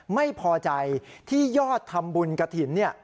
ไม่พอใจที่ยอดทำบุญกระถิ่น